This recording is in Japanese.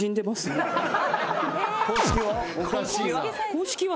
・公式は？